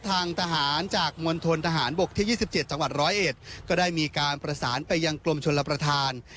ทางทหารจากมณฑนทหารบกที่๒๗จังหวัดร้อยเอ็ดก็ได้มีการประสานไปยังกรมชนรับประทาน